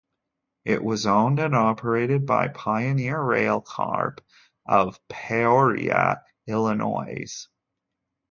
It was owned and operated by Pioneer Railcorp of Peoria, Illinois.